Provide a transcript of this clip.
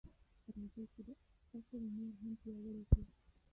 راځئ چې دا اصل نور هم پیاوړی کړو.